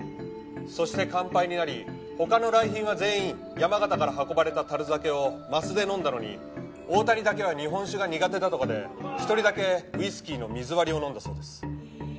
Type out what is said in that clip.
そして乾杯になり他の来賓は全員山形から運ばれた樽酒を枡で飲んだのに大谷だけは日本酒が苦手だとかで一人だけウイスキーの水割りを飲んだそうです。